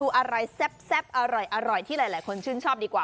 ดูอะไรแซ่บอร่อยที่หลายคนชื่นชอบดีกว่า